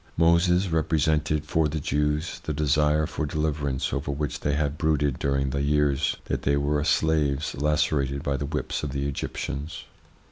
Moses represented for the Jews the desire for deliverance over which they had brooded during the years that they were slaves lacerated by the whips of the Egyptians.